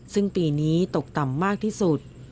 ซึ่งปีนี้ตกต่ำมากที่สุด